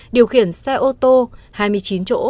điều khiển xe ô tô hai mươi chín chỗ